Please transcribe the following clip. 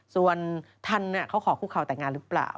ส่วนท่านเขาขอคู่เขาแต่งงานหรือเปล่า